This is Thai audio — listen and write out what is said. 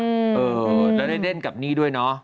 เออแล้วได้เล่นกับนี่ด้วยเนอะ